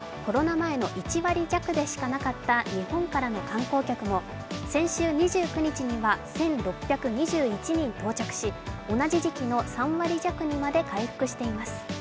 ゴールデンウイークにはコロナ前の１割弱でしかなかった日本からの観光客も先週２９日には１６２１人到着し、同じ時期の３割弱にまで回復しています。